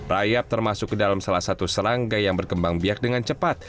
rayap termasuk ke dalam salah satu serangga yang berkembang biak dengan cepat